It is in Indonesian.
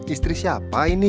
istri siapa ini